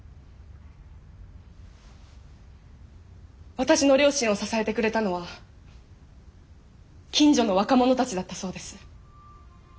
私の両親を支えてくれたのは近所の若者たちだったそうです。